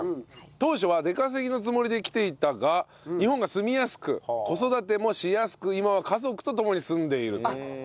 当初は出稼ぎのつもりで来ていたが日本が住みやすく子育てもしやすく今は家族と共に住んでいる。